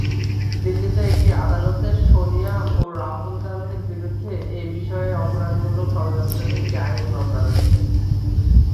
দিল্লিতে একটি আদালতে সোনিয়া ও রাহুল গান্ধীর বিরুদ্ধে এই বিষয়ে অপরাধমূলক ষড়যন্ত্রের একটি আইনি মামলা রয়েছে।